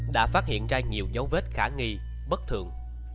đã phát hiện ra nhiều dấu vết khả nghi bất thường